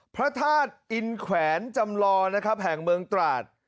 พระธาตุอินแขวนจำลอนะครับแห่งเมืองตราด